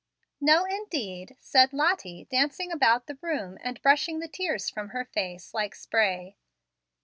"No, indeed," said Lottie, dancing about the room, and brushing the tears from her face, like spray.